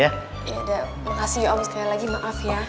ya udah makasih ya om setelah lagi maaf ya